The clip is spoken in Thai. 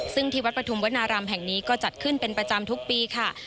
ซึ่งที่วัดปฐุมวนารามแห่งนี้ก็จัดขึ้นเป็นประจำทุกปีค่ะ